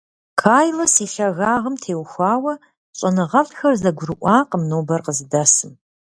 Кайлас и лъагагъым теухуауэ щӀэныгъэлӀхэр зэгурыӀуакъым нобэр къыздэсым.